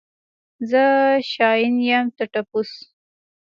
زه شاين يم ته ټپوس.